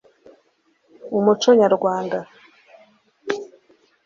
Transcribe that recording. Umuco nyarwanda